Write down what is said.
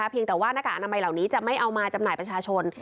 เพียงแต่ว่าหน้ากากอนามัยเหล่านี้จะไม่เอามาจำหน่ายประชาชน